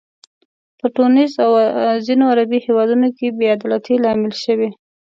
په تونس او ځینو عربي هیوادونو کې بې عدالتۍ لامل شوي.